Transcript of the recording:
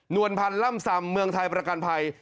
วลพันธ์ล่ำซำเมืองไทยประกันภัย